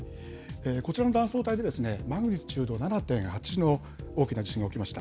こちらの断層帯でマグニチュード７．８の大きな地震が起きました。